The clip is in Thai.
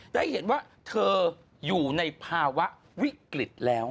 ได้เห็นว่าเธออยู่ในภาวะวิกฤตแล้ว